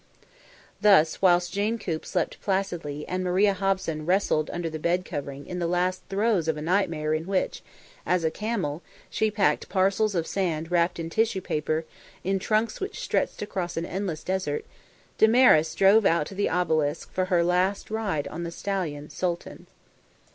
Thus, whilst Jane Coop slept placidly and Maria Hobson wrestled under the bed covering in the last throes of a nightmare in which, as a camel, she packed parcels of sand wrapped in tissue paper, in trunks which stretched across an endless desert, Damaris drove out to the Obelisk for her last ride on the stallion Sooltan.